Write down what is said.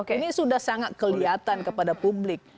oke ini sudah sangat kelihatan kepada publik